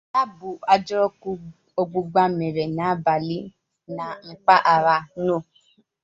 Ya bụ ajọ ọkụ ọgbụgba mere n'abalị na mpaghara 'No